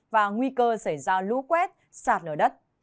và nguy cơ xảy ra lũ quét sạt lở đất